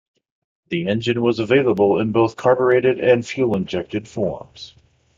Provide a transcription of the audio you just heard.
The engine was available in both carburetted and fuel-injected forms.